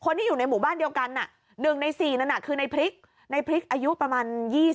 คนที่อยู่ในหมู่บ้านเดียวกัน๑ใน๔คือในพริกอายุประมาณ๒๕